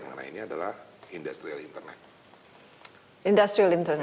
karena ini adalah industrial internet industrial internet